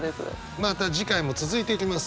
また次回も続いていきます。